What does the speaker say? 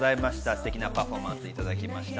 ステキなパフォーマンスをいただきました。